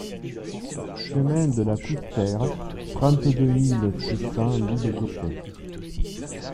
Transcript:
Chemin de la Coustère, trente-deux mille six cents L'Isle-Jourdain